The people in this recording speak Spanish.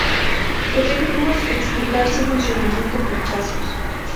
Podemos explicar su funcionamiento por pasos.